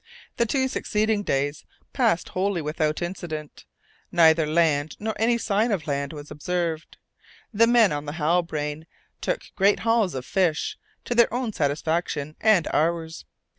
The two succeeding days passed wholly without incident; neither land nor any sign of land was observed. The men on the Halbrane took great hauls of fish, to their own satisfaction and ours.